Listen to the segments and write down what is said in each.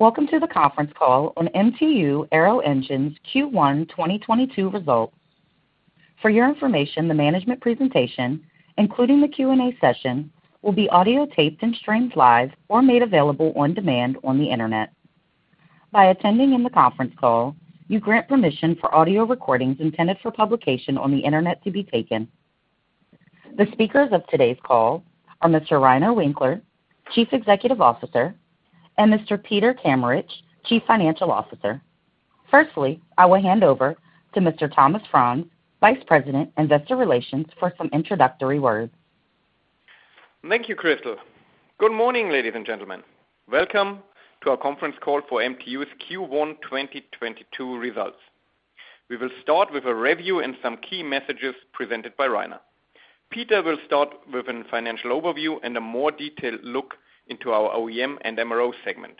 Welcome to the Conference Call on MTU Aero Engines Q1 2022 Results. For your information, the management presentation, including the Q&A session, will be audiotaped and streamed live or made available on demand on the Internet. By attending in the conference call, you grant permission for audio recordings intended for publication on the Internet to be taken. The speakers of today's call are Mr. Reiner Winkler, Chief Executive Officer, and Mr. Peter Kameritsch, Chief Financial Officer. Firstly, I will hand over to Mr. Thomas Franz, Vice President, Investor Relations, for some introductory words. Thank you, Crystal. Good morning, ladies and gentlemen. Welcome to our conference call for MTU's Q1 2022 results. We will start with a review and some key messages presented by Reiner. Peter will start with a financial overview and a more detailed look into our OEM and MRO segment.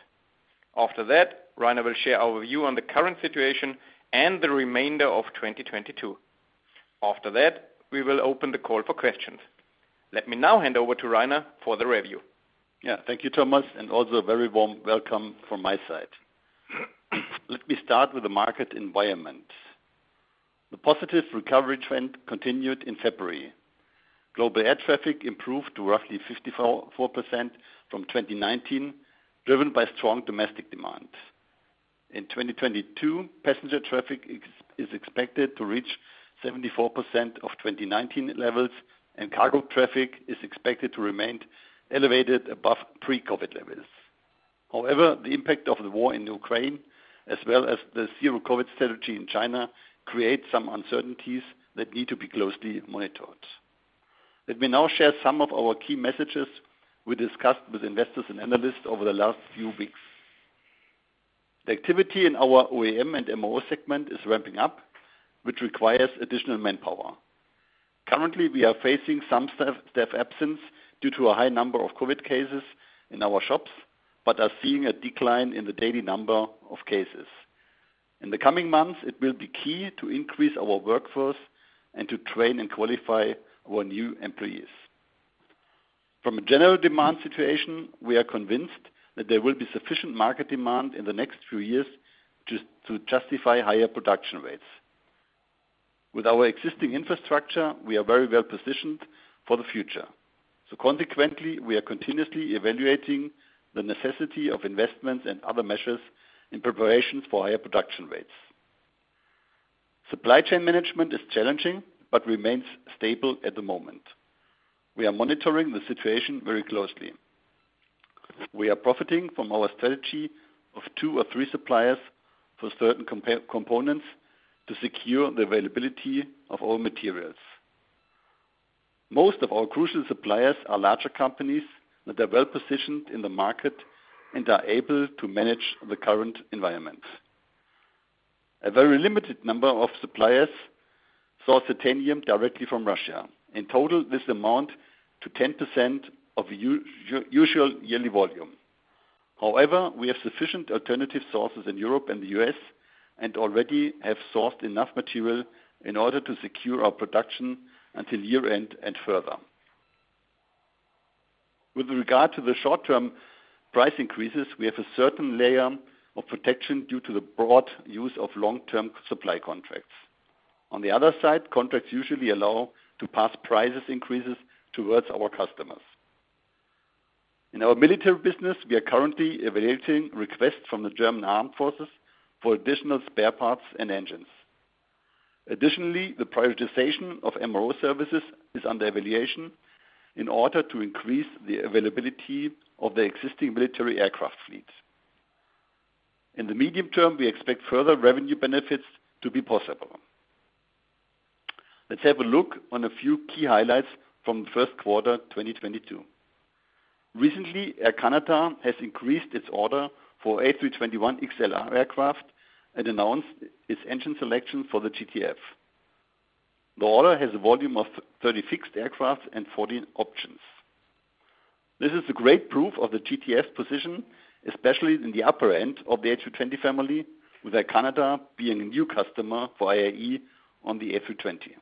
After that, Reiner will share our view on the current situation and the remainder of 2022. After that, we will open the call for questions. Let me now hand over to Reiner for the review. Yeah. Thank you, Thomas, and also a very warm welcome from my side. Let me start with the market environment. The positive recovery trend continued in February. Global air traffic improved to roughly 54% from 2019, driven by strong domestic demand. In 2022, passenger traffic is expected to reach 74% of 2019 levels, and cargo traffic is expected to remain elevated above pre-COVID levels. However, the impact of the war in Ukraine, as well as the zero COVID strategy in China, creates some uncertainties that need to be closely monitored. Let me now share some of our key messages we discussed with investors and analysts over the last few weeks. The activity in our OEM and MRO segment is ramping up, which requires additional manpower. Currently, we are facing some staff absence due to a high number of COVID cases in our shops, but are seeing a decline in the daily number of cases. In the coming months, it will be key to increase our workforce and to train and qualify our new employees. From a general demand situation, we are convinced that there will be sufficient market demand in the next few years to justify higher production rates. With our existing infrastructure, we are very well-positioned for the future. Consequently, we are continuously evaluating the necessity of investments and other measures in preparation for higher production rates. Supply chain management is challenging but remains stable at the moment. We are monitoring the situation very closely. We are profiting from our strategy of two or three suppliers for certain components to secure the availability of all materials. Most of our crucial suppliers are larger companies that are well-positioned in the market and are able to manage the current environment. A very limited number of suppliers source titanium directly from Russia. In total, this amounts to 10% of usual yearly volume. However, we have sufficient alternative sources in Europe and the U.S. and already have sourced enough material in order to secure our production until year-end and further. With regard to the short-term price increases, we have a certain layer of protection due to the broad use of long-term supply contracts. On the other side, contracts usually allow to pass price increases towards our customers. In our military business, we are currently evaluating requests from the German Armed Forces for additional spare parts and engines. Additionally, the prioritization of MRO services is under evaluation in order to increase the availability of the existing military aircraft fleet. In the medium term, we expect further revenue benefits to be possible. Let's have a look on a few key highlights from the first quarter, 2022. Recently, Air Canada has increased its order for A321XLR aircraft and announced its engine selection for the GTF. The order has a volume of 36 aircraft and 14 options. This is a great proof of the GTF's position, especially in the upper end of the A320 family, with Air Canada being a new customer for IAE on the A320.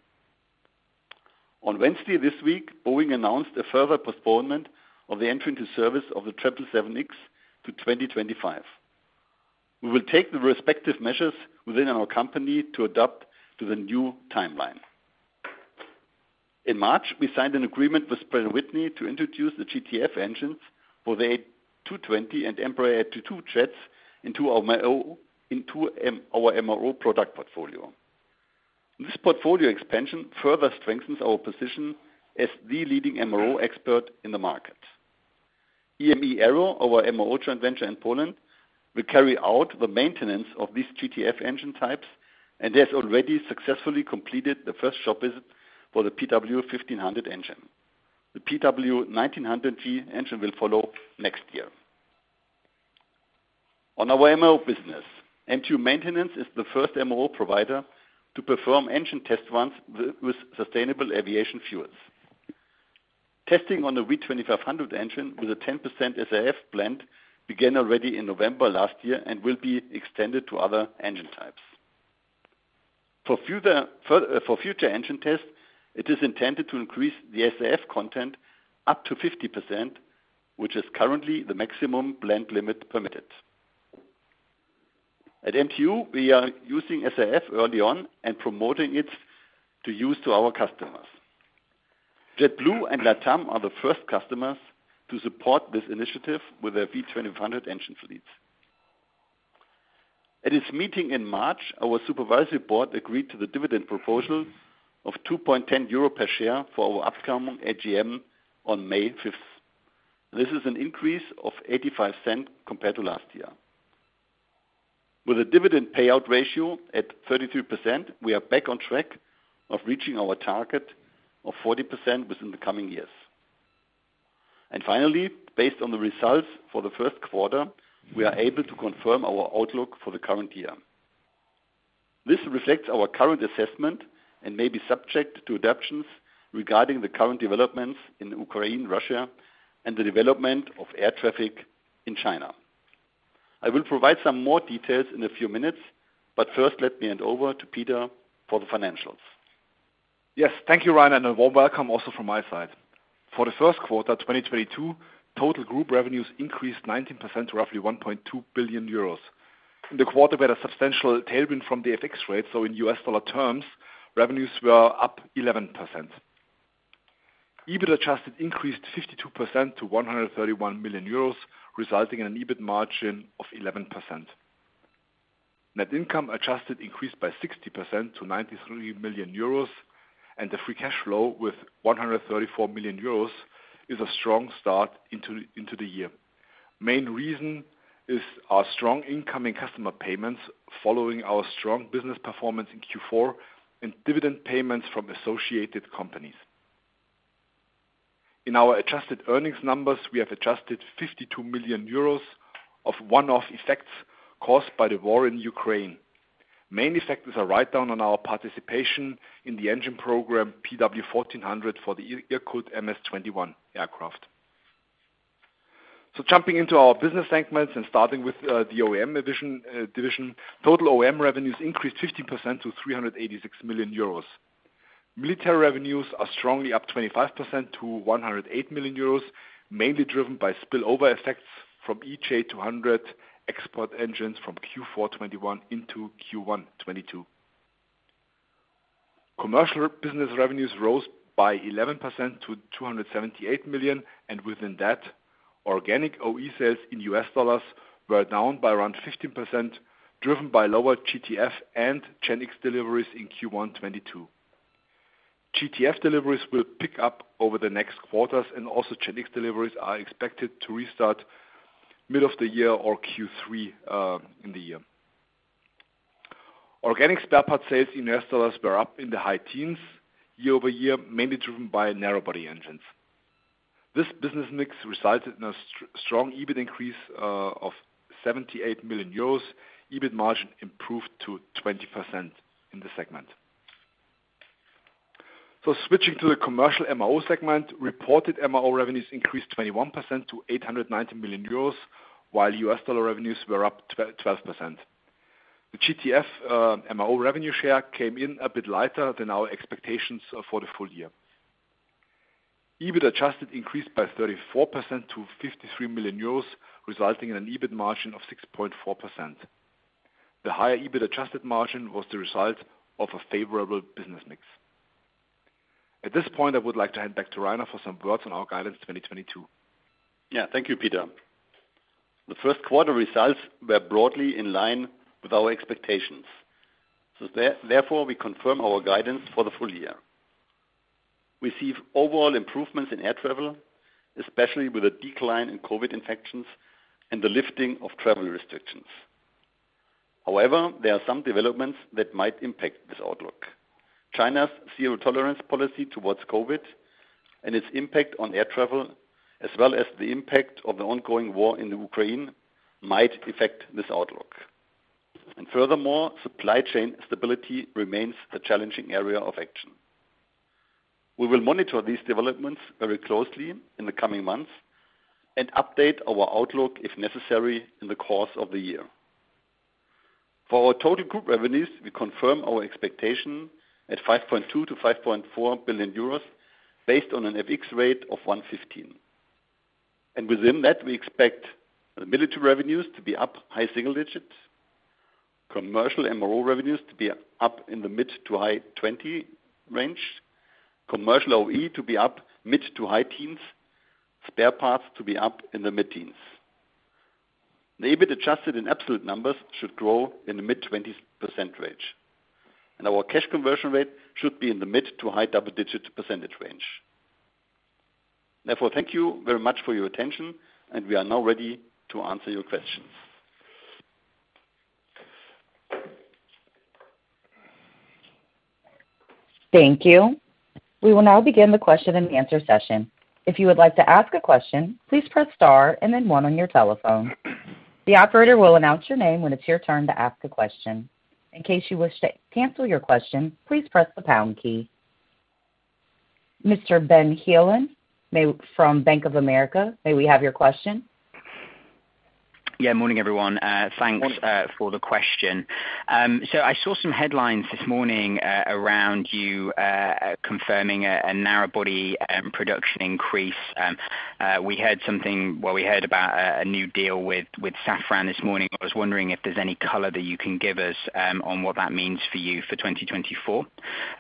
On Wednesday this week, Boeing announced a further postponement of the entry into service of the 777X to 2025. We will take the respective measures within our company to adapt to the new timeline. In March, we signed an agreement with Pratt & Whitney to introduce the GTF engines for the A220 and Embraer E2 jets into our MRO product portfolio. This portfolio expansion further strengthens our position as the leading MRO expert in the market. EME Aero, our MRO joint venture in Poland, will carry out the maintenance of these GTF engine types and has already successfully completed the first shop visit for the PW1500G engine. The PW1900G engine will follow next year. On our MRO business, MTU Maintenance is the first MRO provider to perform engine test runs with sustainable aviation fuels. Testing on the V2500 engine with a 10% SAF blend began already in November last year and will be extended to other engine types. For future engine tests, it is intended to increase the SAF content up to 50%, which is currently the maximum blend limit permitted. At MTU, we are using SAF early on and promoting it to use to our customers. JetBlue and LATAM are the first customers to support this initiative with their V2500 engine fleets. At its meeting in March, our supervisory board agreed to the dividend proposal of 2.10 euro per share for our upcoming AGM on May fifth. This is an increase of 0.85 compared to last year. With a dividend payout ratio at 32%, we are back on track of reaching our target of 40% within the coming years. Finally, based on the results for the first quarter, we are able to confirm our outlook for the current year. This reflects our current assessment and may be subject to adaptations regarding the current developments in Ukraine, Russia, and the development of air traffic in China. I will provide some more details in a few minutes, but first, let me hand over to Peter for the financials. Yes. Thank you, Reiner, and a warm welcome also from my side. For the first quarter, 2022, total group revenues increased 19% to roughly 1.2 billion euros. In the quarter we had a substantial tailwind from the FX rate, so in U.S. dollar terms, revenues were up 11%. EBIT adjusted increased 52% to 131 million euros, resulting in an EBIT margin of 11%. Net income adjusted increased by 60% to 93 million euros, and the free cash flow with 134 million euros is a strong start into the year. Main reason is our strong incoming customer payments following our strong business performance in Q4 and dividend payments from associated companies. In our adjusted earnings numbers, we have adjusted 52 million euros of one-off effects caused by the war in Ukraine. Main effect was a write-down on our participation in the engine program PW1400G-JM for the Irkut MC-21 aircraft. Jumping into our business segments and starting with the OEM division. Total OEM revenues increased 50% to 386 million euros. Military revenues are strongly up 25% to 108 million euros, mainly driven by spillover effects from EJ200 export engines from Q4 2021 into Q1 2022. Commercial business revenues rose by 11% to 278 million, and within that, organic OE sales in US dollars were down by around 15%, driven by lower GTF and GEnx deliveries in Q1 2022. GTF deliveries will pick up over the next quarters, and also GEnx deliveries are expected to restart mid of the year or Q3 in the year. Organic spare parts sales in US dollars were up in the high teens year-over-year, mainly driven by narrow body engines. This business mix resulted in a strong EBIT increase of 78 million euros. EBIT margin improved to 20% in the segment. Switching to the commercial MRO segment. Reported MRO revenues increased 21% to 890 million euros, while US dollar revenues were up 12%. The GTF MRO revenue share came in a bit lighter than our expectations for the full year. EBITDA adjusted increased by 34% to 53 million euros, resulting in an EBIT margin of 6.4%. The higher EBITDA adjusted margin was the result of a favorable business mix. At this point, I would like to hand back to Reiner for some words on our guidance 2022. Yeah. Thank you, Peter. The first quarter results were broadly in line with our expectations. Therefore, we confirm our guidance for the full year. We see overall improvements in air travel, especially with a decline in COVID infections and the lifting of travel restrictions. However, there are some developments that might impact this outlook. China's zero-tolerance policy towards COVID and its impact on air travel, as well as the impact of the ongoing war in Ukraine, might affect this outlook. Furthermore, supply chain stability remains the challenging area of action. We will monitor these developments very closely in the coming months and update our outlook if necessary in the course of the year. For our total group revenues, we confirm our expectation at 5.2 billion-5.4 billion euros based on an FX rate of 115. Within that, we expect the military revenues to be up high single digits, commercial MRO revenues to be up in the mid- to high-20 range, commercial OE to be up mid- to high-teens, spare parts to be up in the mid-teens. The EBITDA adjusted in absolute numbers should grow in the mid-20s% range, and our cash conversion rate should be in the mid- to high double-digit % range. Therefore, thank you very much for your attention, and we are now ready to answer your questions. Thank you. We will now begin the question and answer session. If you would like to ask a question, please press star and then one on your telephone. The operator will announce your name when it's your turn to ask a question. In case you wish to cancel your question, please press the pound key. Mr. Ben Heelan from Bank of America, may we have your question? Yeah. Morning, everyone. Thanks for the question. So I saw some headlines this morning around you confirming a narrow body production increase. We heard about a new deal with Safran this morning. I was wondering if there's any color that you can give us on what that means for you for 2024.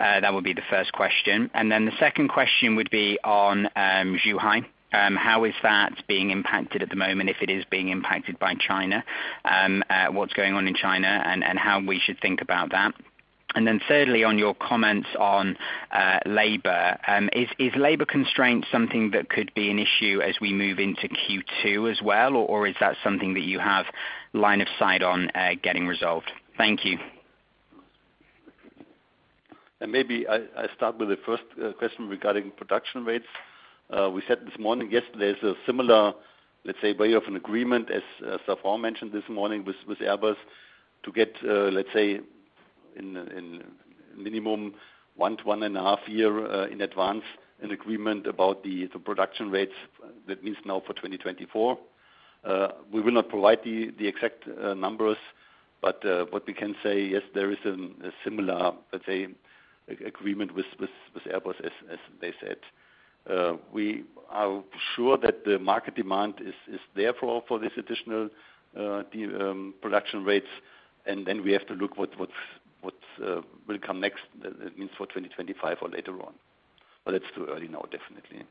That would be the first question. Then the second question would be on Zhuhai. How is that being impacted at the moment, if it is being impacted by China? What's going on in China and how we should think about that. Then thirdly, on your comments on labor, is labor constraint something that could be an issue as we move into Q2 as well? Is that something that you have line of sight on, getting resolved? Thank you. Maybe I start with the first question regarding production rates. We said this morning, yes, there's a similar, let's say, way of an agreement, as Safran mentioned this morning with Airbus to get, let's say, in minimum 1 to 1.5 year in advance, an agreement about the production rates. That means now for 2024. We will not provide the exact numbers, but what we can say, yes, there is a similar, let's say, agreement with Airbus, as they said. We are sure that the market demand is there for this additional production rates. Then we have to look what will come next. That means for 2025 or later on. It's too early now, definitely.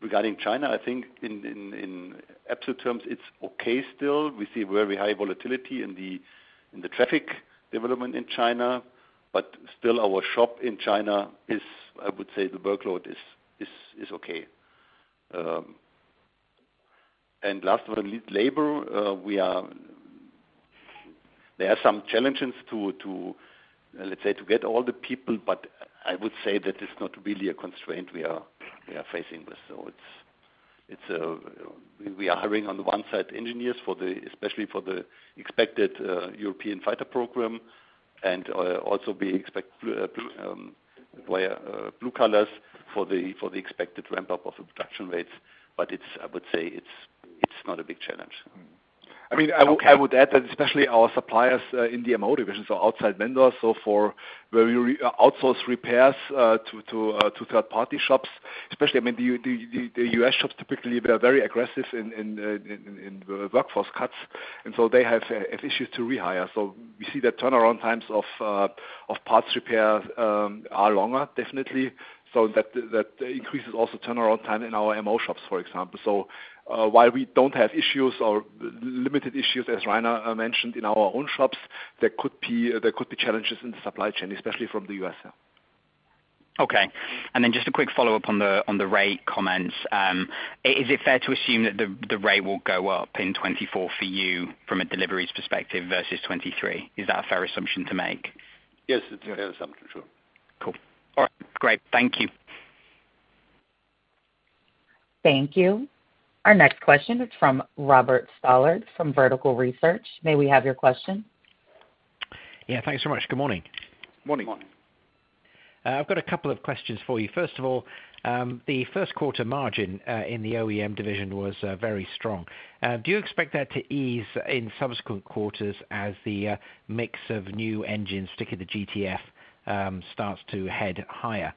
Regarding China, I think in absolute terms, it's okay still. We see very high volatility in the traffic development in China, but still our shop in China is, I would say, the workload is okay. Last one, labor. There are some challenges to, let's say, to get all the people, but I would say that it's not really a constraint we are facing with. It's we are hiring on the one side, engineers, especially for the expected European fighter program, and also we expect via blue collars for the expected ramp up of production rates. I would say it's not a big challenge. I mean, I would add that especially our suppliers in the MRO divisions, so outside vendors, so for where we outsource repairs to third-party shops, especially, I mean, the U.S. shops typically, they are very aggressive in workforce cuts, and so they have issues to rehire. We see that turnaround times of parts repairs are longer, definitely. That increases also turnaround time in our MRO shops, for example. While we don't have issues or limited issues, as Reiner mentioned, in our own shops, there could be challenges in the supply chain, especially from the U.S. Just a quick follow-up on the rate comments. Is it fair to assume that the rate will go up in 2024 for you from a deliveries perspective versus 2023? Is that a fair assumption to make? Yes. It's a fair assumption. Sure. Cool. All right, great. Thank you. Thank you. Our next question is from Robert Stallard from Vertical Research. May we have your question? Yeah. Thanks so much. Good morning. Morning. Morning. I've got a couple of questions for you. First of all, the first quarter margin in the OEM division was very strong. Do you expect that to ease in subsequent quarters as the mix of new engines, particularly the GTF, starts to head higher?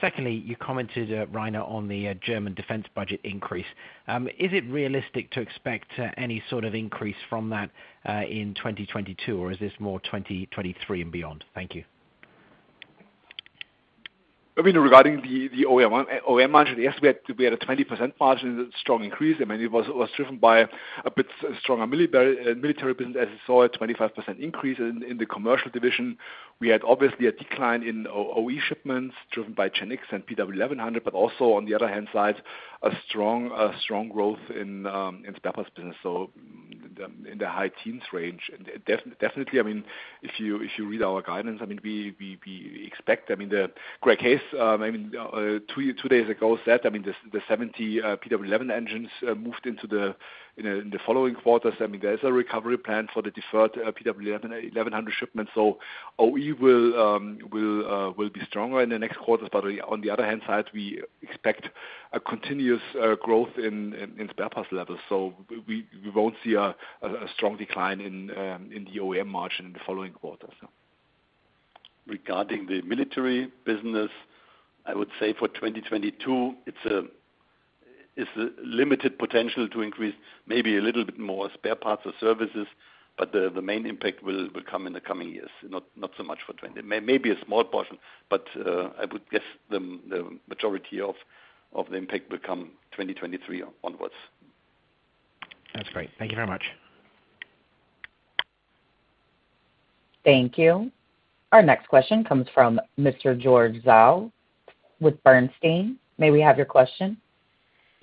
Secondly, you commented, Reiner, on the German defense budget increase. Is it realistic to expect any sort of increase from that in 2022, or is this more 2023 and beyond? Thank you. I mean, regarding the OEM margin, yes, we had a 20% margin, strong increase. I mean, it was driven by a bit stronger military business as we saw a 25% increase in the commercial division. We had obviously a decline in OE shipments driven by GEnx and PW1100G-JM, but also on the other hand side, a strong growth in spare parts business, so in the high teens range. Definitely, I mean, if you read our guidance, I mean, we expect, I mean, the press release two days ago said, I mean, the 70 PW1100G-JM engines moved into the you know in the following quarters. I mean, there is a recovery plan for the deferred PW1100 shipments. OE will be stronger in the next quarters. On the other hand side, we expect a continuous growth in spare parts levels. We won't see a strong decline in the OEM margin in the following quarters, so. Regarding the military business, I would say for 2022, it's a limited potential to increase maybe a little bit more spare parts or services, but the main impact will come in the coming years, not so much for 2022. Maybe a small portion, but I would guess the majority of the impact will come 2023 onwards. That's great. Thank you very much. Thank you. Our next question comes from Mr. George Zhao with Bernstein. May we have your question?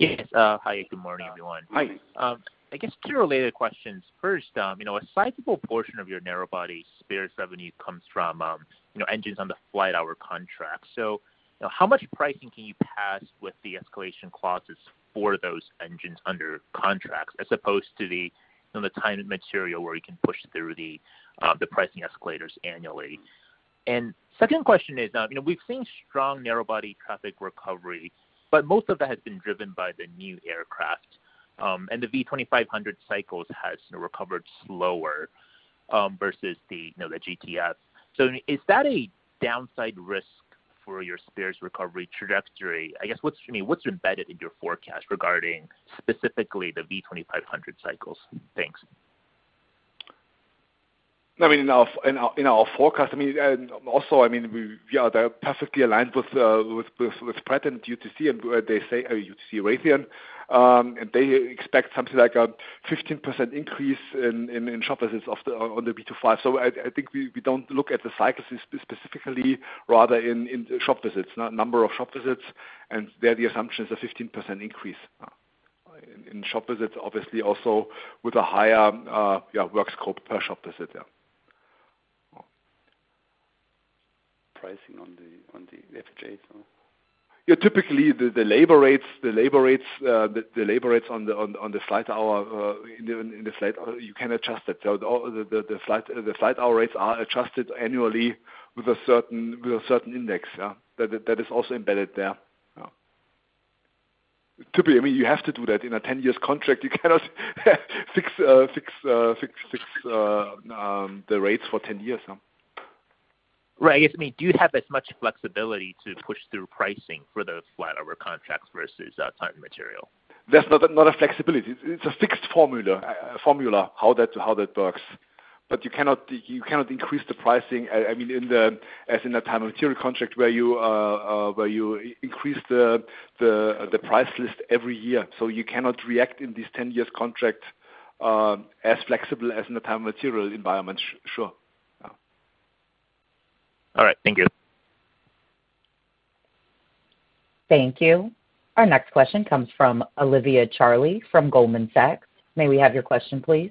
Yes. Hi, good morning, everyone. Hi. Hi. I guess two related questions. First, you know, a sizeable portion of your narrowbody spares revenue comes from, you know, engines on the flight-hour contract. So how much pricing can you pass with the escalation clauses for those engines under contracts as opposed to the, you know, the time and material where you can push through the pricing escalators annually? Second question is, you know, we've seen strong narrowbody traffic recovery, but most of that has been driven by the new aircraft, and the V2500 cycles has recovered slower, versus the, you know, the GTF. So is that a downside risk for your spares recovery trajectory? I guess, I mean, what's embedded in your forecast regarding specifically the V2500 cycles? Thanks. I mean, in our forecast, and also, we are perfectly aligned with Pratt & Whitney, and they expect something like a 15% increase in shop visits on the V2500. I think we don't look at the cycles specifically rather in shop visits, not number of shop visits, and there the assumption is a 15% increase in shop visits, obviously also with a higher work scope per shop visit. Pricing on the FJ. Yeah, typically the labor rates on the flight hour, you can adjust it. The flight hour rates are adjusted annually with a certain index, yeah. That is also embedded there, yeah. Typically, I mean, you have to do that. In a 10 years contract, you cannot fix the rates for 10 years. Right. I guess, I mean, do you have as much flexibility to push through pricing for those flat hour contracts versus time and material? That's not a flexibility. It's a fixed formula how that works. You cannot increase the pricing. I mean, as in a time and material contract where you increase the price list every year. You cannot react in this 10-year contract as flexible as in the time and material environment. Sure. Yeah. All right. Thank you. Thank you. Our next question comes from Olivia Charley from Goldman Sachs. May we have your question, please?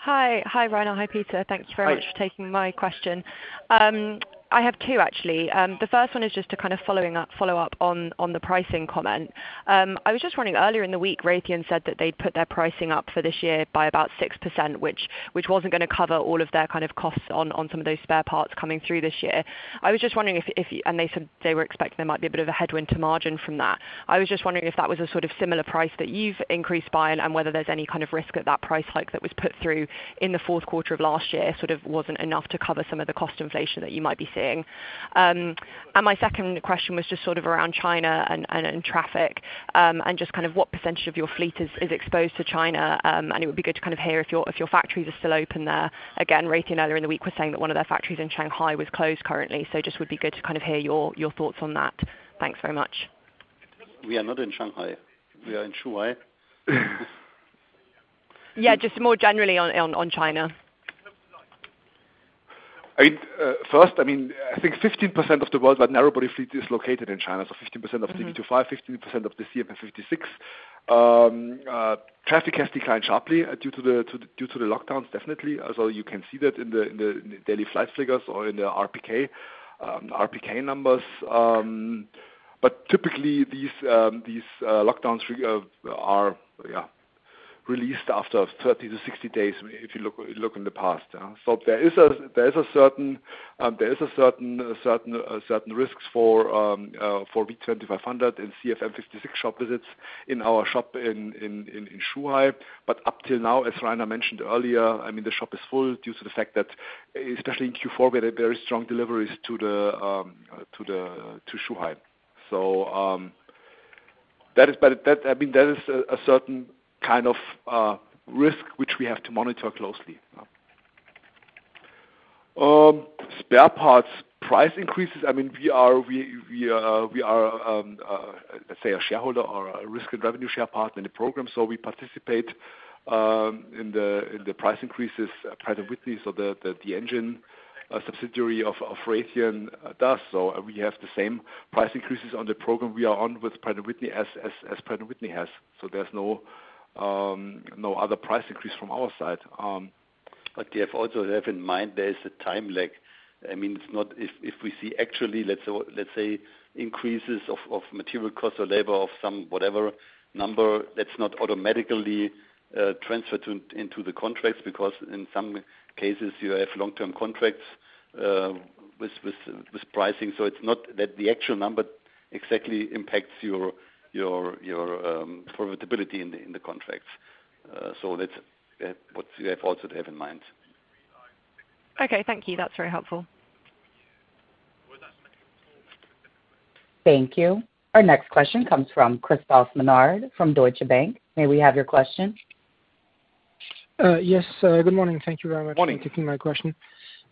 Hi. Hi, Reiner. Hi, Peter. Hi. Thanks very much for taking my question. I have two actually. The first one is just to kind of follow up on the pricing comment. I was just wondering, earlier in the week, Raytheon said that they'd put their pricing up for this year by about 6%, which wasn't gonna cover all of their kind of costs on some of those spare parts coming through this year. I was just wondering if. They said they were expecting there might be a bit of a headwind to margin from that. I was just wondering if that was a sort of similar price that you've increased by, and whether there's any kind of risk at that price hike that was put through in the fourth quarter of last year sort of wasn't enough to cover some of the cost inflation that you might be seeing. My second question was just sort of around China and traffic, and just kind of what percentage of your fleet is exposed to China. It would be good to kind of hear if your factories are still open there. Again, Raytheon earlier in the week was saying that one of their factories in Shanghai was closed currently. Just would be good to kind of hear your thoughts on that. Thanks very much. We are not in Shanghai. We are in Zhuhai. Yeah, just more generally on China. I mean, I think 15% of the worldwide narrowbody fleet is located in China, so 15% of V2500, 15% of the CFM56. Traffic has declined sharply due to the lockdowns, definitely. You can see that in the daily flight figures or in the RPK numbers. Typically these lockdowns are released after 30-60 days, if you look in the past. There is a certain risk for V2500 and CFM56 shop visits in our shop in Zhuhai. Up till now, as Reiner mentioned earlier, I mean, the shop is full due to the fact that especially in Q4, we had a very strong deliveries to Zhuhai. That is a certain kind of risk which we have to monitor closely. Spare parts price increases, I mean, we are, let's say a shareholder or a risk and revenue share partner in the program, so we participate in the price increases, Pratt & Whitney, so the engine subsidiary of Raytheon does. So we have the same price increases on the program we are on with Pratt & Whitney as Pratt & Whitney has. So there's no other price increase from our side. You have also in mind there is a time lag. I mean, it's not if we see actually, let's say increases of material costs or labor of some whatever number, that's not automatically transferred into the contracts because in some cases you have long-term contracts with pricing. It's not that the actual number exactly impacts your profitability in the contracts. That's what you have also to have in mind. Okay. Thank you. That's very helpful. Thank you. Our next question comes from Christophe Menard from Deutsche Bank. May we have your question? Yes. Good morning. Thank you very much. Morning. Thank you for taking my question.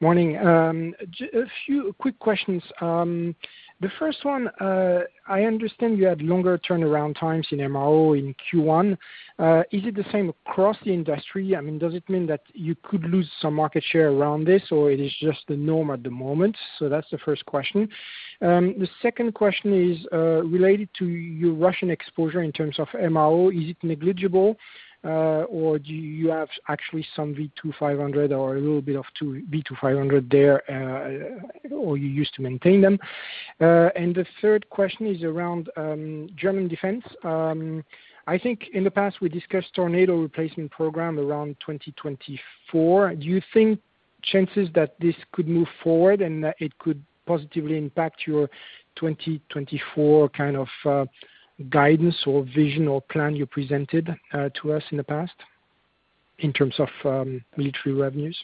Morning. A few quick questions. The first one, I understand you had longer turnaround times in MRO in Q1. Is it the same across the industry? I mean, does it mean that you could lose some market share around this, or it is just the norm at the moment? That's the first question. The second question is related to your Russian exposure in terms of MRO. Is it negligible, or do you have actually some V2500 or a little bit too V2500 there, or you used to maintain them? The third question is around German defense. I think in the past we discussed Tornado replacement program around 2024. Do you think chances that this could move forward and that it could positively impact your 2024 kind of, guidance or vision or plan you presented, to us in the past in terms of, military revenues?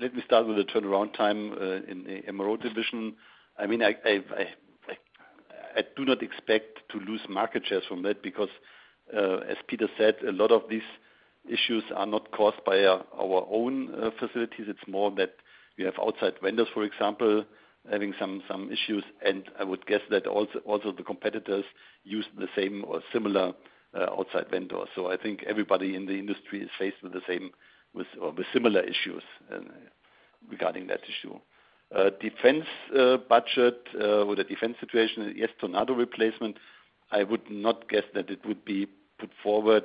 Let me start with the turnaround time in MRO division. I mean, I do not expect to lose market shares from that because, as Peter said, a lot of these issues are not caused by our own facilities. It's more that we have outside vendors, for example, having some issues, and I would guess that also the competitors use the same or similar outside vendors. I think everybody in the industry is faced with the same, with similar issues regarding that issue. Defense budget or the defense situation, yes, Tornado replacement, I would not guess that it would be put forward.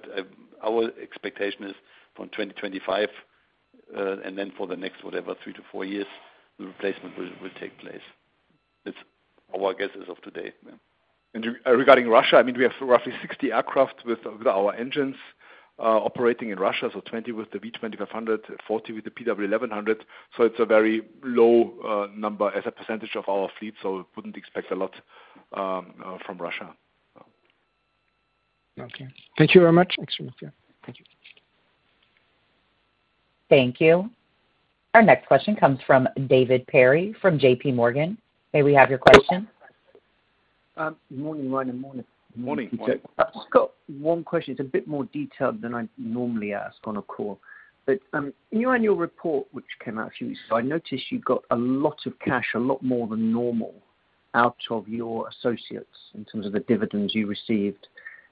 Our expectation is from 2025, and then for the next, whatever, 3-4 years the replacement will take place. It's our guess as of today. Regarding Russia, I mean, we have roughly 60 aircraft with our engines operating in Russia, so 20 with the V2500, 40 with the PW1100G-JM. It's a very low number as a percentage of our fleet. Wouldn't expect a lot from Russia. Okay. Thank you very much. Excellent. Yeah. Thank you. Thank you. Our next question comes from David Perry from JPMorgan. May we have your question? Morning, Reiner and morning. Morning. I've just got one question. It's a bit more detailed than I normally ask on a call, but in your annual report, which came out a few weeks ago, I noticed you got a lot of cash, a lot more than normal out of your associates in terms of the dividends you received.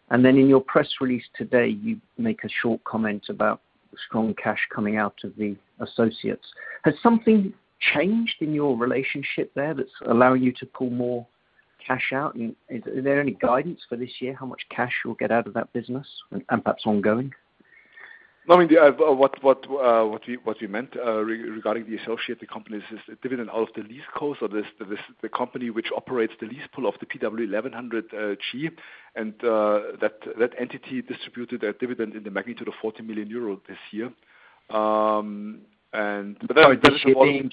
In your press release today, you make a short comment about strong cash coming out of the associates. Has something changed in your relationship there that's allowing you to pull more cash out? Is there any guidance for this year, how much cash you'll get out of that business and perhaps ongoing? No, I mean, what we meant regarding the associate, the company issued dividend out of the lease cost of the company which operates the lease pool of the PW1100G-JM, G. That entity distributed a dividend in the magnitude of 40 million euros this year. Sorry, 2021.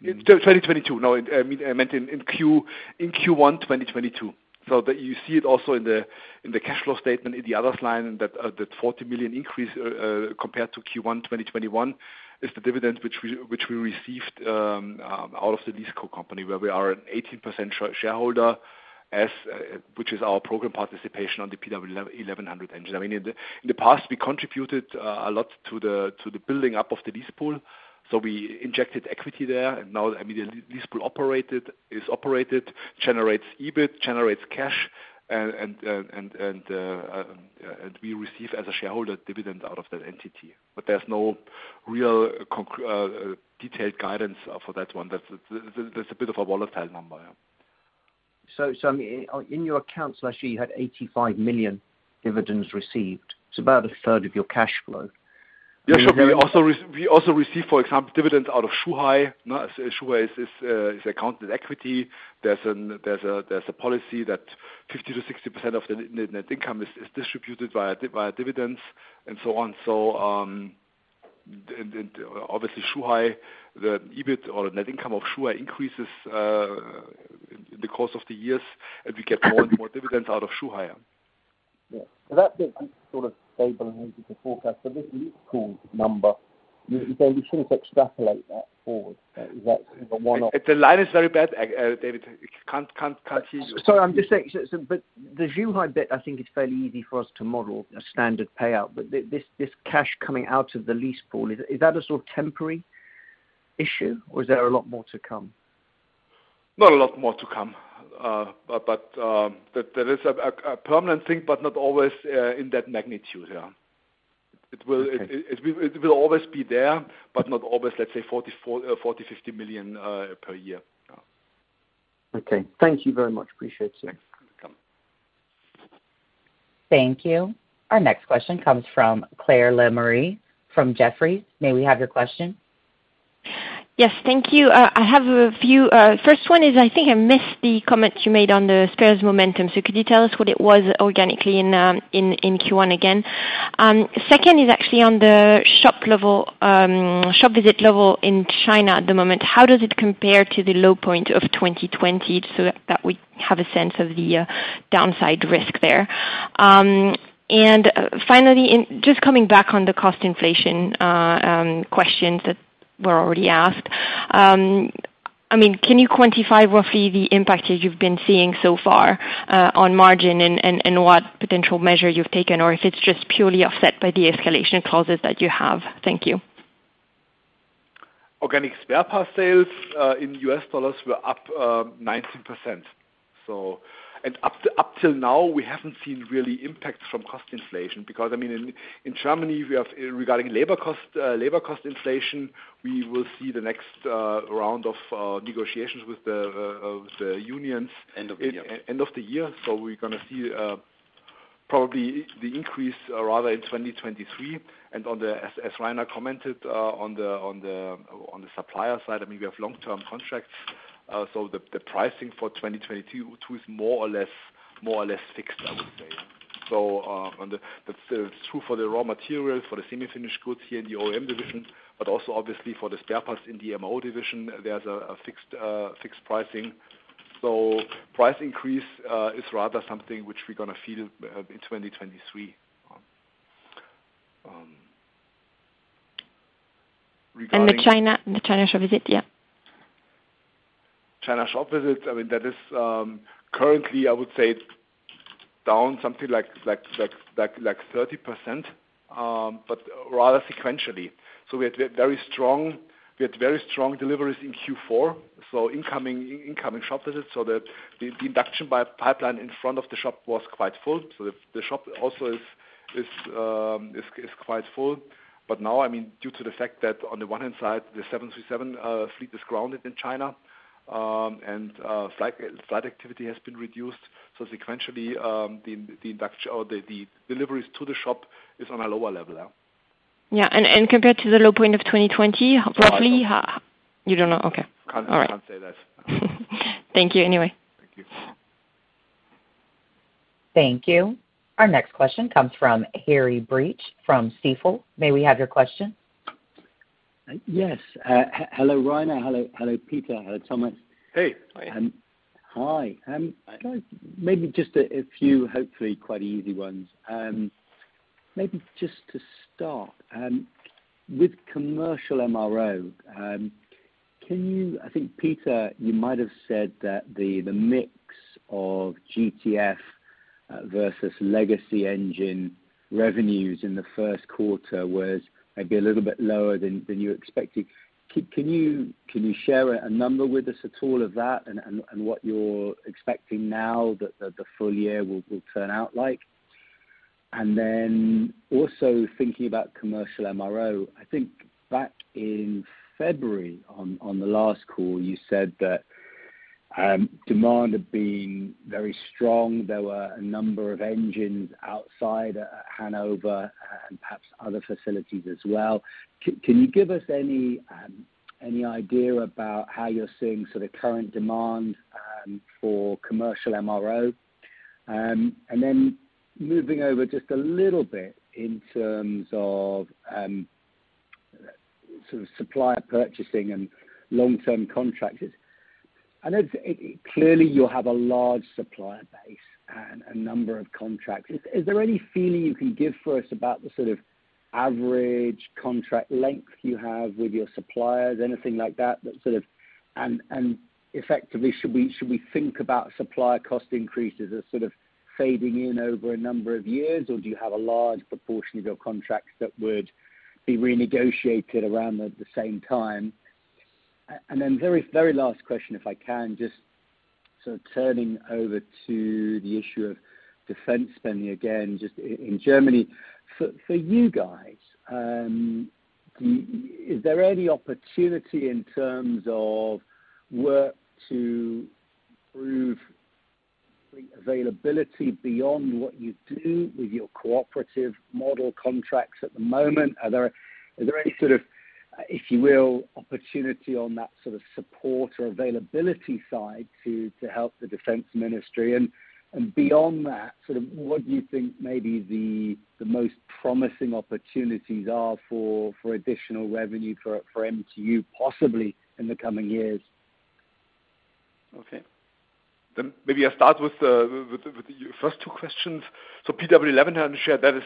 2022. No, I mean, I meant in Q1 2022. That you see it also in the cash flow statement in the other line that 40 million increase compared to Q1 2021 is the dividend which we received out of the lease company where we are an 18% shareholder as which is our program participation on the PW 1100 engine. I mean, in the past, we contributed a lot to the building up of the lease pool. We injected equity there and now, I mean, the lease pool is operated, generates EBIT, generates cash and we receive as a shareholder dividend out of that entity. There's no real detailed guidance for that one. That's a bit of a volatile number. Yeah. I mean, in your accounts last year you had 85 million dividends received. It's about a third of your cash flow. We also receive, for example, dividends out of Zhuhai. Zhuhai is equity accounted. There's a policy that 50%-60% of the net income is distributed via dividends and so on. Obviously Zhuhai, the EBIT or net income of Zhuhai increases in the course of the years, and we get more and more dividends out of Zhuhai. That bit sort of stable and easy to forecast. This lease pool number, you say we sort of extrapolate that forward. Is that sort of one off? The line is very bad, David. Can't hear you. Sorry. I'm just saying. The Zhuhai bit I think is fairly easy for us to model a standard payout. This cash coming out of the lease pool, is that a sort of temporary issue or is there a lot more to come? Not a lot more to come. That is a permanent thing, but not always, in that magnitude. Yeah. It will. Okay. It will always be there, but not always. Let's say 40million-50 million per year. Yeah. Okay. Thank you very much. Appreciate it, sir. Welcome. Thank you. Our next question comes from Chloé Lemarié from Jefferies. May we have your question? Yes. Thank you. I have a few. First one is I think I missed the comment you made on the spares momentum. Could you tell us what it was organically in Q1 again? Second is actually on the shop level, shop visit level in China at the moment. How does it compare to the low point of 2020 so that we have a sense of the downside risk there? Finally, just coming back on the cost inflation questions that were already asked. I mean, can you quantify roughly the impact that you've been seeing so far on margin and what potential measure you've taken, or if it's just purely offset by the escalation clauses that you have? Thank you. Organic spare parts sales in US dollars were up 19%. Up till now, we haven't seen really impact from cost inflation because, I mean, in Germany, we have regarding labor cost inflation, we will see the next round of negotiations with the unions. End of the year. End of the year. We're gonna see probably the increase rather in 2023, as Reiner commented, on the supplier side, I mean, we have long-term contracts, so the pricing for 2022 is more or less fixed, I would say. That's true for the raw materials, for the semi-finished goods here in the OEM division, but also obviously for the spare parts in the MRO division, there's a fixed pricing. Price increase is rather something which we're gonna feel in 2023. Regarding- The China shop visit? Yeah. China shop visits, I mean, that is currently, I would say down something like 30%, but rather sequentially. We had very strong deliveries in Q4, so incoming shop visits, so that the induction by pipeline in front of the shop was quite full. The shop also is quite full. Now, I mean, due to the fact that on the one hand side, the 737 fleet is grounded in China, and flight activity has been reduced. Sequentially, the induction or the deliveries to the shop is on a lower level now. Yeah. Compared to the low point of 2020, roughly how- I don't know. You don't know? Okay. Can't say that. Thank you anyway. Thank you. Thank you. Our next question comes from Harry Breach from Stifel. May we have your question? Yes. Hello, Reiner. Hello, Peter. Hello, Thomas. Hey. Hi. Hi. Maybe just a few, hopefully quite easy ones. Maybe just to start with commercial MRO, can you? I think, Peter, you might have said that the mix of GTF versus legacy engine revenues in the first quarter was maybe a little bit lower than you expected. Can you share a number with us at all of that and what you're expecting now that the full year will turn out like? Also thinking about commercial MRO, I think back in February on the last call, you said that demand had been very strong. There were a number of engines outside Hannover and perhaps other facilities as well. Can you give us any idea about how you're seeing sort of current demand for commercial MRO? Moving over just a little bit in terms of sort of supplier purchasing and long-term contracts. I know clearly you have a large supplier base and a number of contracts. Is there any feeling you can give for us about the sort of average contract length you have with your suppliers? Anything like that sort of. Effectively, should we think about supplier cost increases as sort of fading in over a number of years? Or do you have a large proportion of your contracts that would be renegotiated around the same time? Very last question, if I can, just sort of turning over to the issue of defense spending again, just in Germany. For you guys, is there any opportunity in terms of work to improve the availability beyond what you do with your Cooperative Model contracts at the moment? Is there any sort of, if you will, opportunity on that sort of support or availability side to help the Defense Ministry? Beyond that, sort of what do you think maybe the most promising opportunities are for additional revenue for MTU, possibly in the coming years? Okay. Maybe I start with your first two questions. PW1100G-JM share, that is,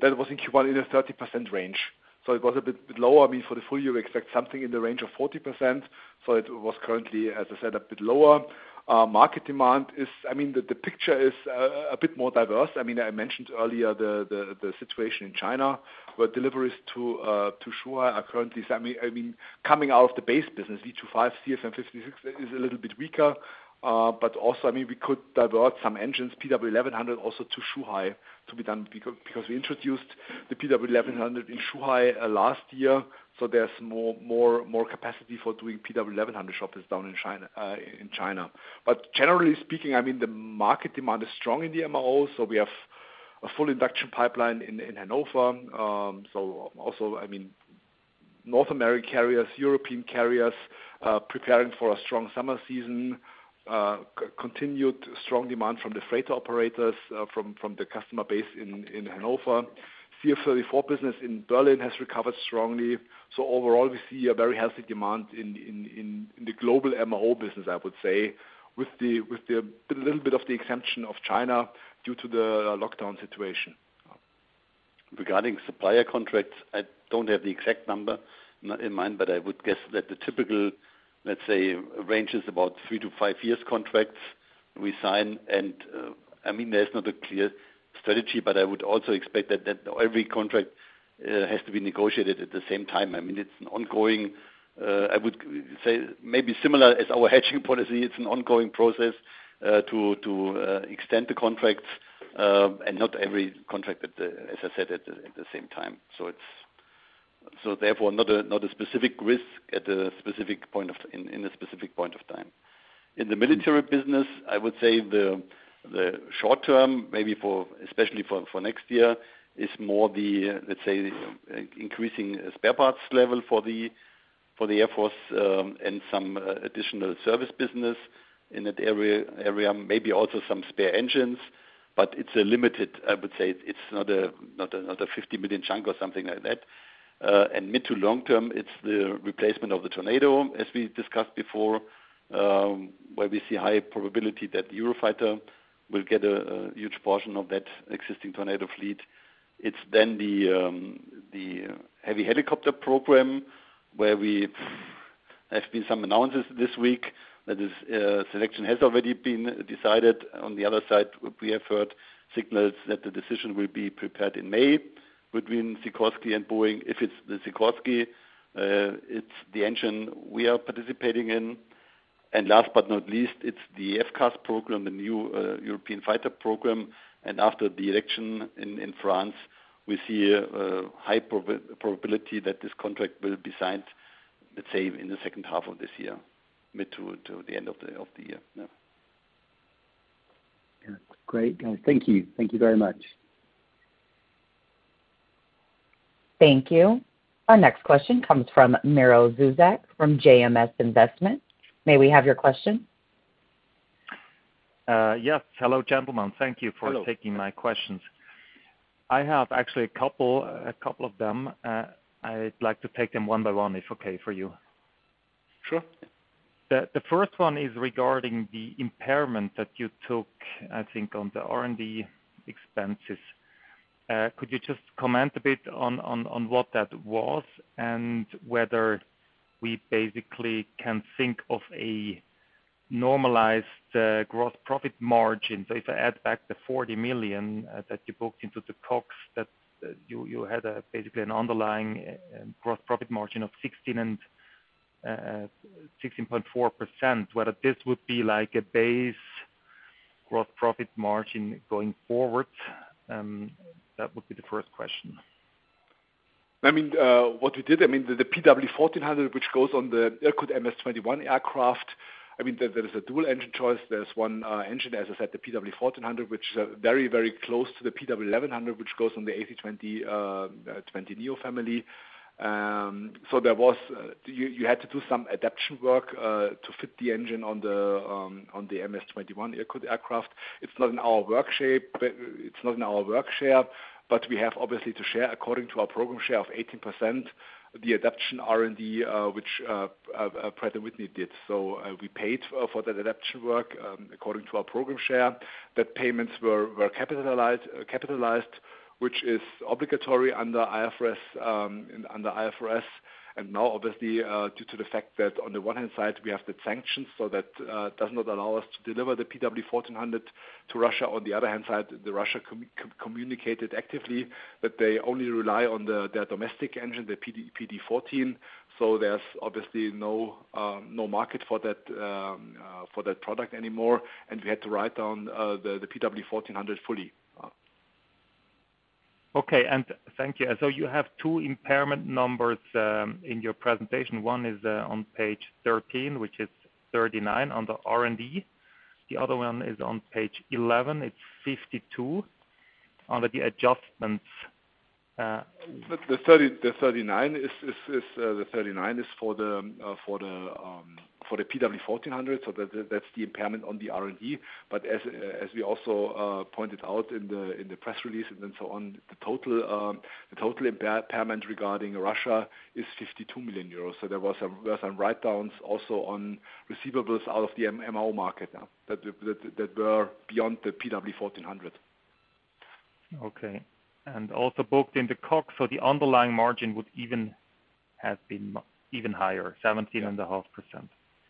that was in Q1 in a 30% range, so it was a bit lower. I mean, for the full year, we expect something in the range of 40%. It was currently, as I said, a bit lower. Market demand is, I mean, the picture is a bit more diverse. I mean, I mentioned earlier the situation in China, where deliveries to Zhuhai are currently. I mean, coming out of the base business, V2500 and CFM56 is a little bit weaker, but also, I mean, we could divert some engines, PW1100G-JM also to Zhuhai to be done because we introduced the PW1100G-JM in Zhuhai last year. There's more capacity for doing PW1100G-JM shop visits down in China, in China. Generally speaking, I mean, the market demand is strong in the MRO, so we have a full induction pipeline in Hannover. Also, I mean, North American carriers, European carriers, preparing for a strong summer season, continued strong demand from the freighter operators, from the customer base in Hannover. CF34 business in Berlin has recovered strongly. Overall, we see a very healthy demand in the global MRO business, I would say, with the little bit of the exception of China due to the lockdown situation. Regarding supplier contracts, I don't have the exact number in mind, but I would guess that the typical, let's say, range is about 3-5 years contracts we sign. I mean, there's not a clear strategy, but I would also expect that every contract has to be negotiated at the same time. I mean, it's an ongoing, I would say maybe similar as our hedging policy. It's an ongoing process to extend the contracts, and not every contract, as I said, at the same time. Therefore not a specific risk at a specific point in time. In the military business, I would say the short term, maybe especially for next year, is more the, let's say, increasing spare parts level for the Air Force, and some additional service business in that area. Maybe also some spare engines. It's limited, I would say it's not a 50 million chunk or something like that. And mid to long term, it's the replacement of the Tornado, as we discussed before, where we see high probability that the Eurofighter will get a huge portion of that existing Tornado fleet. It's then the heavy helicopter program. There's been some announcements this week that selection has already been decided. On the other side, we have heard signals that the decision will be prepared in May between Sikorsky and Boeing. If it's the Sikorsky, it's the engine we are participating in. Last but not least, it's the FCAS program, the new European fighter program. After the election in France, we see a high probability that this contract will be signed, let's say, in the second half of this year, mid to the end of the year. Yeah. Great. Thank you. Thank you very much. Thank you. Our next question comes from Miro Zuzak from JMS Investment. May we have your question? Yes. Hello, gentlemen. Thank you for. Hello. Taking my questions. I have actually a couple of them. I'd like to take them one by one if okay for you. Sure. The first one is regarding the impairment that you took, I think, on the R&D expenses. Could you just comment a bit on what that was and whether we basically can think of a normalized gross profit margin? If I add back the 40 million that you booked into the COGS, that you had basically an underlying gross profit margin of 16 and 16.4%. Whether this would be like a base gross profit margin going forward, that would be the first question. I mean, what we did, I mean, the PW1400, which goes on the Irkut MC-21 aircraft, I mean, there is a dual engine choice. There's one engine, as I said, the PW1400, which is very, very close to the PW1100, which goes on the A320neo family. So there was you had to do some adaptation work to fit the engine on the MC-21 Irkut aircraft. It's not in our work share, but we have obviously to share according to our program share of 18%, the adaptation R&D which Pratt & Whitney did. So we paid for that adaptation work according to our program share. The payments were capitalized, which is obligatory under IFRS. Now, obviously, due to the fact that on the one hand side, we have the sanctions so that does not allow us to deliver the PW-1400 to Russia. On the other hand side, Russia communicated actively that they only rely on their domestic engine, the PD-14. So there's obviously no market for that product anymore. We had to write down the PW-1400 fully. You have two impairment numbers in your presentation. One is on page 13, which is 39 on the R&D. The other one is on page 11, it's 52 under the adjustments. The 39 is for the PW1400, so that's the impairment on the R&D. As we also pointed out in the press release and so on, the total impairment regarding Russia is 52 million euros. There was some write downs also on receivables out of the MRO market, that were beyond the PW1400. Okay. Also booked in the COGS, so the underlying margin would even have been even higher, 17.5%.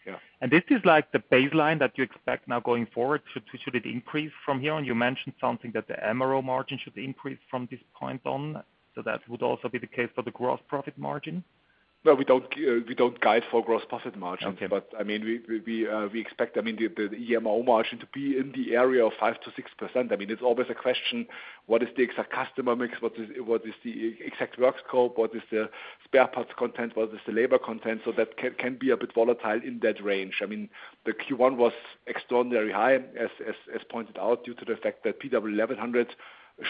Yeah. This is like the baseline that you expect now going forward. Should it increase from here on? You mentioned something that the MRO margin should increase from this point on. That would also be the case for the gross profit margin? No, we don't guide for gross profit margin. Okay. I mean, we expect the MRO margin to be in the area of 5%-6%. I mean, it's always a question, what is the exact customer mix? What is the exact work scope? What is the spare parts content? What is the labor content? So that can be a bit volatile in that range. I mean, the Q1 was extraordinarily high as pointed out due to the fact that PW1100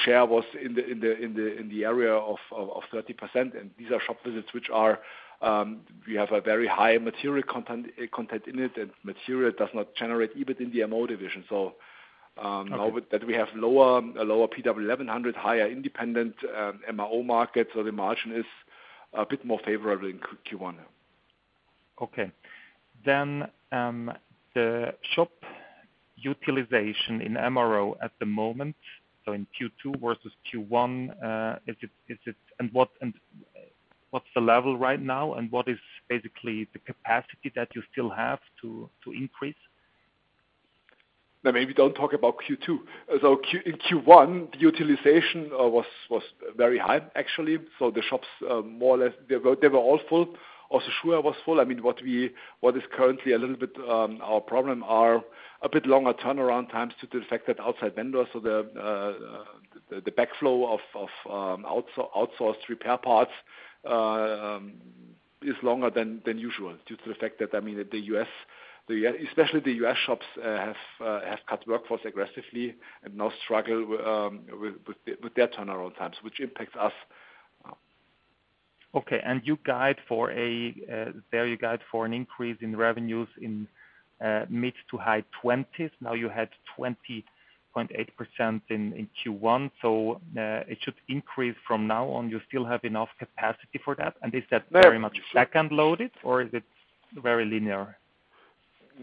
share was in the area of 30%. These are shop visits which we have a very high material content in it, and material does not generate EBIT in the MRO division. So Okay. Now that we have a lower PW1100, higher independent MRO market, so the margin is a bit more favorable in Q1. Okay. The shop utilization in MRO at the moment, so in Q2 versus Q1, is it? What is the level right now, and what is basically the capacity that you still have to increase? No, maybe don't talk about Q2. In Q1, the utilization was very high, actually. The shops, more or less they were all full. Also, Schwer was full. I mean, what is currently a little bit our problem are a bit longer turnaround times due to the fact that outside vendors or the backflow of outsourced repair parts is longer than usual due to the fact that, I mean, the U.S., especially the U.S. shops have cut workforce aggressively and now struggle with their turnaround times, which impacts us. Okay. You guide for an increase in revenues in mid- to high 20s. Now you had 20.8% in Q1, so it should increase from now on. You still have enough capacity for that? Is that very much back-end loaded or is it very linear? No,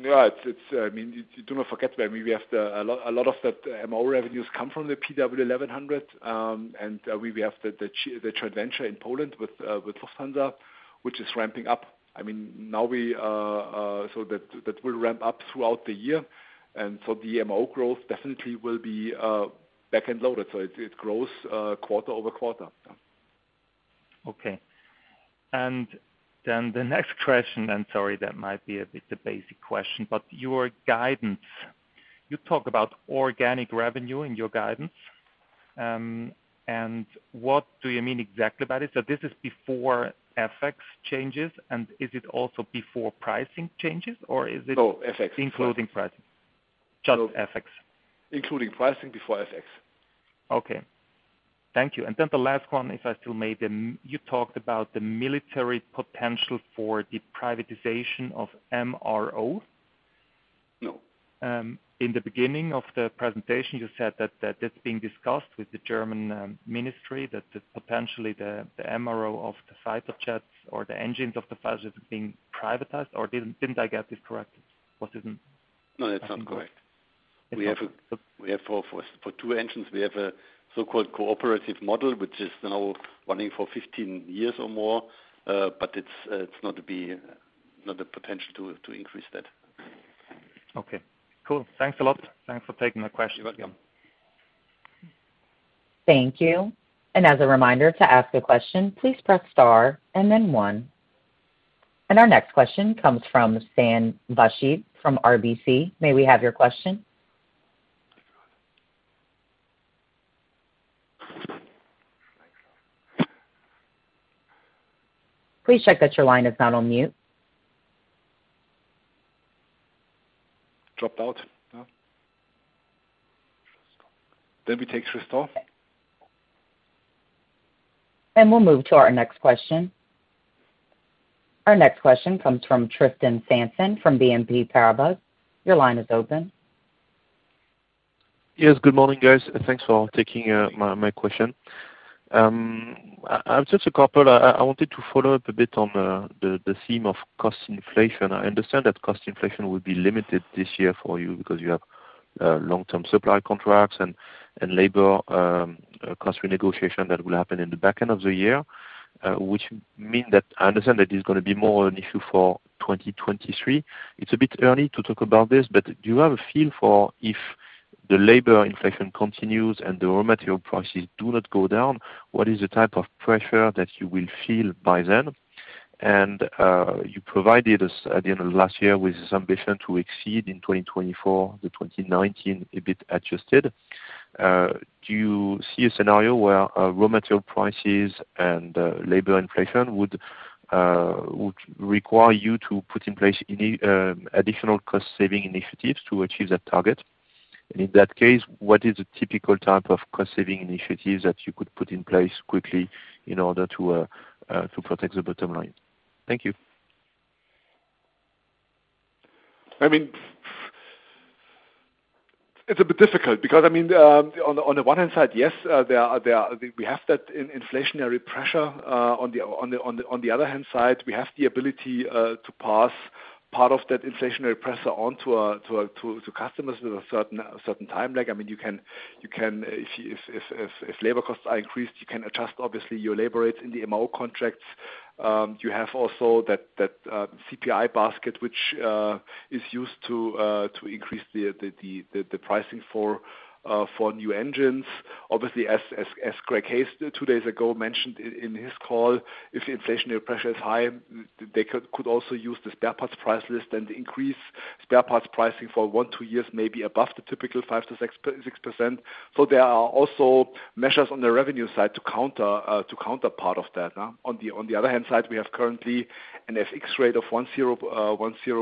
it's. I mean, you do not forget that maybe we have a lot of that MRO revenues come from the PW1100, and we have the joint venture in Poland with Lufthansa, which is ramping up. I mean, so that will ramp up throughout the year. The MRO growth definitely will be back-end loaded, so it grows quarter-over-quarter. Okay. The next question, sorry, that might be a bit of a basic question, but your guidance, you talk about organic revenue in your guidance, and what do you mean exactly by this? This is before FX changes and is it also before pricing changes or is it? No, FX. Including pricing? Just FX. Including pricing before FX. Okay. Thank you. The last one, if I still may. You talked about the military potential for the privatization of MRO. No. In the beginning of the presentation, you said that that's being discussed with the German ministry that potentially the MRO of the fighter jets or the engines of the fighters are being privatized, or didn't I get this correctly? Or is it? No, that's not correct. We have for two engines a so-called Cooperative Model, which is now running for 15 years or more, but it's not the potential to increase that. Okay, cool. Thanks a lot. Thanks for taking my question. You're welcome. Thank you. As a reminder to ask a question, please press star and then one. Our next question comes from Sam Vashi from RBC. May we have your question? Please check that your line is not on mute. Dropped out, huh? We take Christophe. We'll move to our next question. Our next question comes from Tristan Sanson from BNP Paribas. Your line is open. Yes, good morning, guys. Thanks for taking my question. I've just a couple. I wanted to follow up a bit on the theme of cost inflation. I understand that cost inflation will be limited this year for you because you have long-term supply contracts and labor cost renegotiation that will happen in the back end of the year, which mean that I understand that it's gonna be more an issue for 2023. It's a bit early to talk about this, but do you have a feel for if the labor inflation continues and the raw material prices do not go down, what is the type of pressure that you will feel by then? You provided us at the end of last year with this ambition to exceed in 2024 to 2019, a bit adjusted. Do you see a scenario where raw material prices and labor inflation would require you to put in place any additional cost saving initiatives to achieve that target? In that case, what is a typical type of cost saving initiatives that you could put in place quickly in order to protect the bottom line? Thank you. I mean, it's a bit difficult because I mean, on the one hand side, yes, we have that inflationary pressure. On the other hand side, we have the ability to pass part of that inflationary pressure on to customers with a certain timeline. I mean, you can, if labor costs are increased, you can adjust obviously your labor rates in the MRO contracts. You have also that CPI basket, which is used to increase the pricing for new engines. Obviously as Greg Hayes two days ago mentioned in his call, if the inflationary pressure is high, they could also use the spare parts price list and increase spare parts pricing for 1-2 years, maybe above the typical 5%-6%. There are also measures on the revenue side to counter part of that. On the other hand side, we have currently an FX rate of 1.05,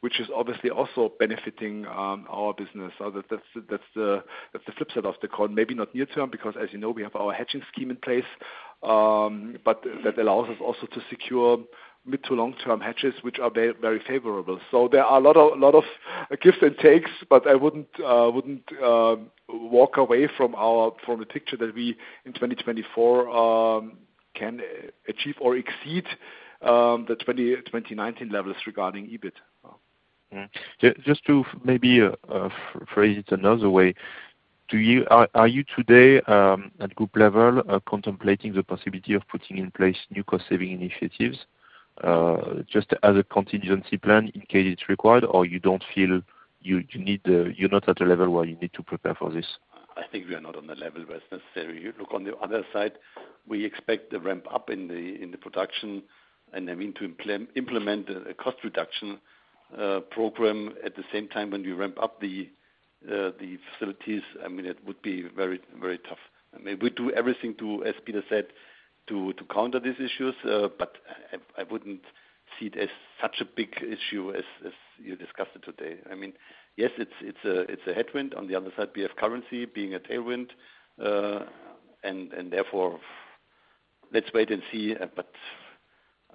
which is obviously also benefiting our business. That's the flip side of the coin. Maybe not near term, because as you know, we have our hedging scheme in place, but that allows us also to secure mid- to long-term hedges, which are very favorable. There are a lot of gives and takes, but I wouldn't walk away from the picture that we in 2024 can achieve or exceed the 2019 levels regarding EBIT. Just to maybe phrase it another way. Are you today at group level contemplating the possibility of putting in place new cost saving initiatives just as a contingency plan in case it's required or you don't feel you need the, you're not at a level where you need to prepare for this? I think we are not on the level where it's necessary. You look on the other side, we expect the ramp up in the production and I mean, to implement a cost reduction program at the same time when we ramp up the facilities. I mean, it would be very, very tough. I mean, we do everything, as Peter said, to counter these issues, but I wouldn't see it as such a big issue as you discussed it today. I mean, yes, it's a headwind. On the other side, we have currency being a tailwind. Therefore, let's wait and see, but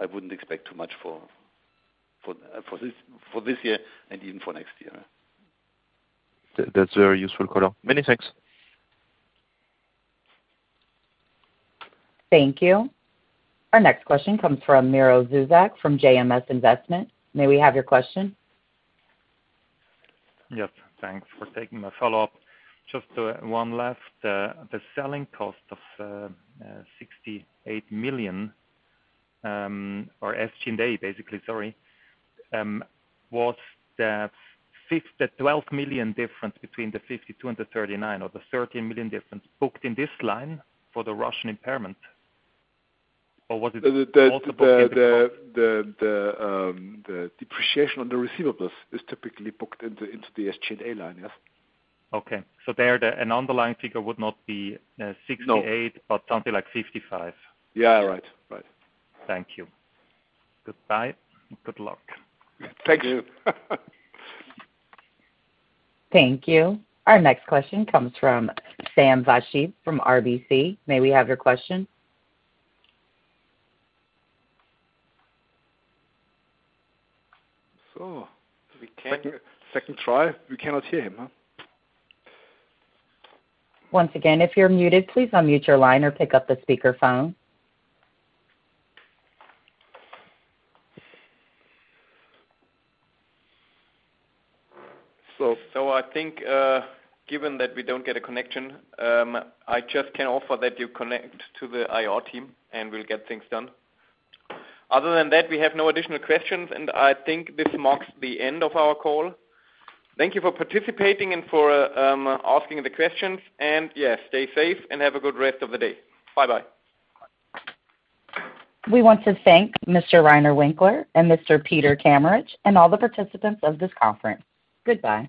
I wouldn't expect too much for this year and even for next year. That's very useful, Carlo. Many thanks. Thank you. Our next question comes from Miro Zuzak from JMS Investment. May we have your question? Yes, thanks for taking my follow-up. Just one last. The selling cost of 68 million or SG&A basically, sorry, was the fifth at 12 million difference between the 52 and the 39 or the 13 million difference booked in this line for the Russian impairment, or was it? The depreciation on the receivables is typically booked into the SG&A line. Yes. Okay. There, an underlying figure would not be. No 68, but something like 55. Yeah. Right. Right. Thank you. Goodbye. Good luck. Thank you. Thank you. Our next question comes from Sam Vashi from RBC. May we have your question? So we can- Second try. We cannot hear him, huh? Once again, if you're muted, please unmute your line or pick up the speaker phone. So I think, given that we don't get a connection, I just can offer that you connect to the IR team, and we'll get things done. Other than that, we have no additional questions, and I think this marks the end of our call. Thank you for participating and for asking the questions. Yeah, stay safe and have a good rest of the day. Bye-bye. We want to thank Mr. Reiner Winkler and Mr. Peter Kameritsch and all the participants of this conference. Goodbye.